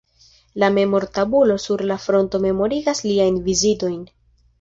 La memor-tabulo sur la fronto memorigas liajn vizitojn.